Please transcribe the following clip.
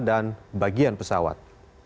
dan bagian pesawat